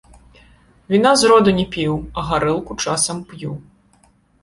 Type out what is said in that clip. Віна з роду не піў, а гарэлку часам п'ю.